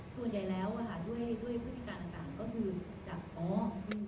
ส่วนใหญ่แล้วนะคะด้วยพฤติการต่างก็คือจะอ๋ออืมอืม